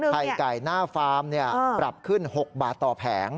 ไข่ไก่หน้าฟาร์มปรับขึ้น๖บาทต่อแผง